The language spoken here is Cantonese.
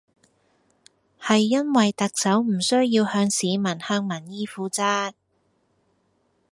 係因為特首唔需要向市民向民意負責